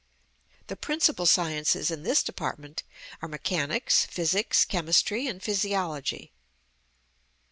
The principal sciences in this department are mechanics, physics, chemistry, and physiology.